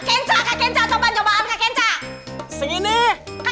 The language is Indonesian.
jangan kekaduran tahu apa yang kamu sayangkan